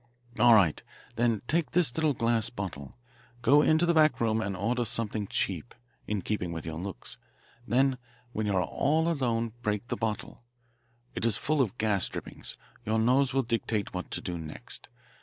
"All right. Then take this little glass bottle. Go into the back room and order something cheap, in keeping with your looks. Then when you are all alone break the bottle. It is full of gas drippings. Your nose will dictate what to do next.